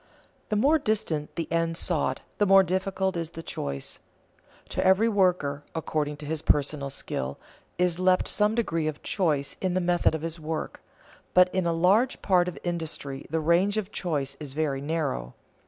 The more distant the end sought, the more difficult is the choice. To every worker, according to his personal skill, is left some degree of choice in the method of his work, but in a large part of industry the range of choice is very narrow.